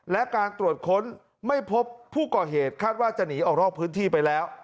และการตรวจค้นไม่พบผู้ก่อเหตุคาดว่าจะหนีออกนอกพื้นที่ไปแล้ว